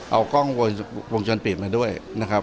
เอากล้องวงจรปิดมาด้วยนะครับ